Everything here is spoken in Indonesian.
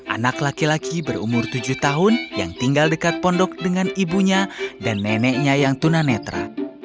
anak laki laki berumur tujuh tahun yang tinggal dekat pondok dengan ibunya dan neneknya yang tunanetra